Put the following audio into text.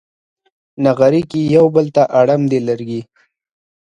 نغري کې یو بل ته اړم دي لرګي